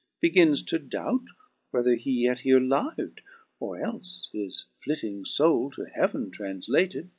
Begins to doubt whether he yet here liv*d. Or elfe his flitting foul, to heav'n tranflated.